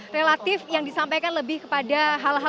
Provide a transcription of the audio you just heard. relatif yang disampaikan lebih kepada hal hal